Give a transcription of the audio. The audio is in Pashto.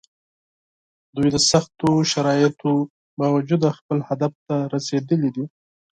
دوی د سختو شرایطو باوجود خپل هدف ته رسېدلي دي.